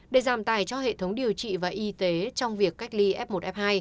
để giảm tài cho hệ thống điều trị và y tế trong việc cách ly f một f hai